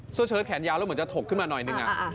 เสื้อเชิญแขนยาวเหมือนจะถกขึ้นมานึง